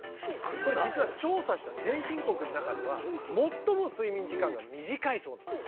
これ実は調査した先進国の中では最も睡眠時間が短いそうなんです